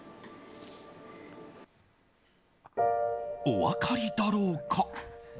お分かりだろうか。